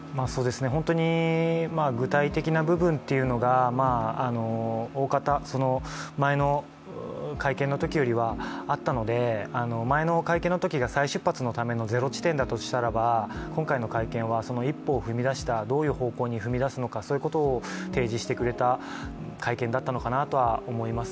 本当に具体的な部分が大方、前の会見のときよりはあったので、前の会見のときが再出発のためのゼロ地点だとしたら今回の会見はその一歩を踏み出したどういう方向に踏み出すのかそういうことを提示してくれた会見だったのかなとは思います。